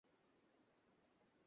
না, তুমি করেছিলে।